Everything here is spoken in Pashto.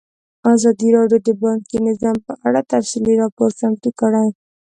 ازادي راډیو د بانکي نظام په اړه تفصیلي راپور چمتو کړی.